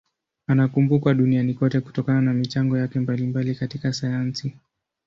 Anakumbukwa duniani kote kutokana na michango yake mbalimbali katika sayansi.